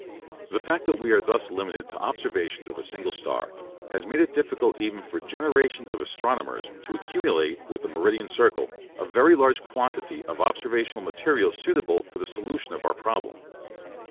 The fact that we are thus limited to observations of a single star has made it difficult even for generations of astronomers to accumulate with the meridian circle a very large quantity of observational material suitable for the solution of our problem.